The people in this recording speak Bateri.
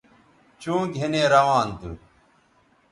چوں گِھنی روان تھو